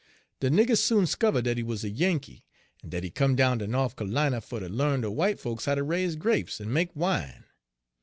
De niggers soon 'skiver' dat he wuz a Yankee, en dat he come down ter Norf C'lina fer ter l'arn de w'ite folks how to raise grapes en make wine.